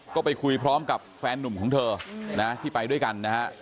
ก็ไปคุยพร้อมกับแฟนนุ่มของเธอนะที่ไปด้วยกันนะฮะ